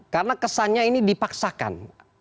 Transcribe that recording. karena kesannya ini dipaksakan